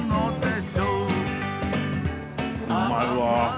うまいわ。